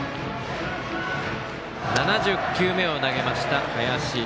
７０球目を投げた、林。